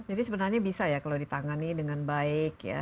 jadi sebenarnya bisa ya kalau ditangani dengan baik ya